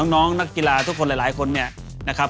น้องนักกีฬาทุกคนหลายคนเนี่ยนะครับ